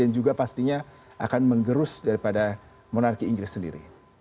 yang juga pastinya akan menggerus daripada monarki inggris sendiri